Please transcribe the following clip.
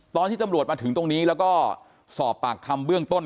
ตอนที่ตำรวจมาถึงตรงนี้แล้วก็สอบปากคำเบื้องต้น